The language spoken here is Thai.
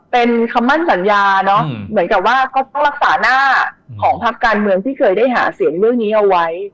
เป็นคำมั่นสัญญาเนอะเหมือนกับว่าก็ต้องรักษาหน้าของพักการเมืองที่เคยได้หาเสียงเรื่องนี้เอาไว้